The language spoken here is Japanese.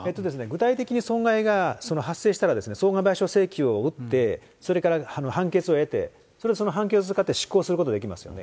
具体的に損害が発生したら、損害賠償請求を打って、それから判決を得て、それでその判決を使って執行することができますよね。